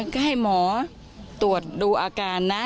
ก็ให้หมอตรวจดูอาการนะ